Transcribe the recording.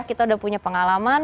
kita udah punya pengalaman